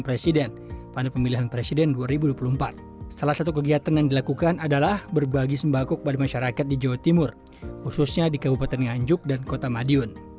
kepala kabupaten nganjuk dan kota madiun